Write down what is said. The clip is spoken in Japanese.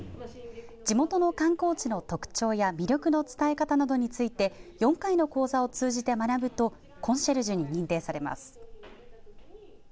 地元の観光地の特徴や魅力の伝え方などについて４回の講座を通じて学ぶとコンシェルジュに認定されます。